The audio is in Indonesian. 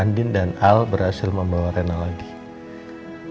andin dan al berhasil membawa rena lagi andin dan al berhasil membawa rena lagi